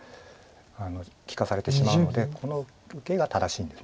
利かされてしまうのでこの受けが正しいんです。